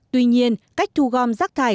tuy nhiên cách thu gom rác thải